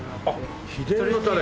あっ秘伝のタレ。